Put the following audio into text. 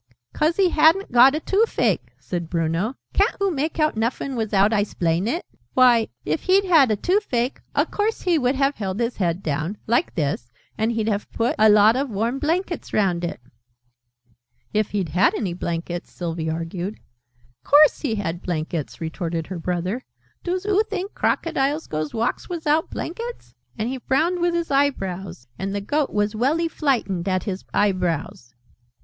"'cause he hadn't got a toofache!" said Bruno. "Ca'n't oo make out nuffin wizout I 'splain it? Why, if he'd had a toofache, a course he'd have held his head down like this and he'd have put a lot of warm blankets round it!" "If he'd had any blankets," Sylvie argued. "Course he had blankets!" retorted her brother. "Doos oo think Crocodiles goes walks wizout blankets? And he frowned with his eyebrows. And the Goat was welly flightened at his eyebrows!"